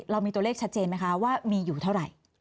เรามีตัวเลขชัดเจนไหมคะว่ามีอยู่เท่าไหร่